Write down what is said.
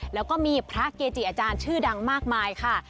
แล้วก็มีพระเกจิอาจารย์ชื่อดังมากมายค่ะ